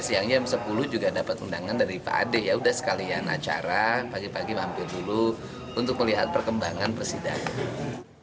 siangnya m sepuluh juga dapat undangan dari pak ade ya udah sekalian acara pagi pagi mampir dulu untuk melihat perkembangan persidangan